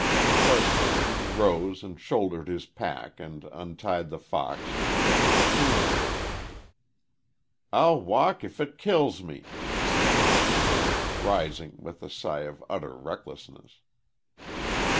Presently he rose and shouldered his pack and untied the fox and lifted the coon cage. "I'll walk if it kills me!" Sinth exclaimed, rising with a sigh of utter recklessness.